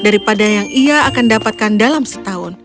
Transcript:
daripada yang ia akan dapatkan dalam setahun